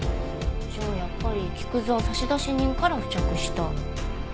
じゃあやっぱり木くずは差出人から付着した。